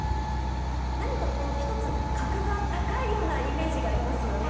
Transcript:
何か一つ、格が高いようなイメージがありますよね。